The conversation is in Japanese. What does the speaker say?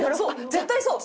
絶対そう！